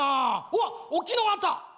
うわっおっきいのがあった！